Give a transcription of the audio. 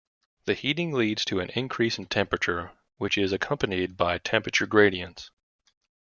The heating leads to an increase in temperature, which is accompanied by temperature gradients.